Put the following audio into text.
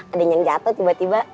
ada yang jatuh tiba tiba